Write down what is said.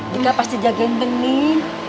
dika pasti jagain bening